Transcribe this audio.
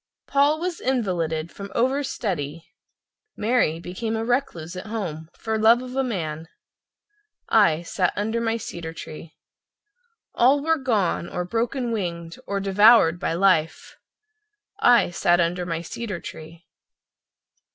Paul was invalided from over study, Mary became a recluse at home for love of a man— I sat under my cedar tree. All were gone, or broken winged or devoured by life— I sat under my cedar tree.